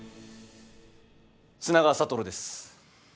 砂川智です。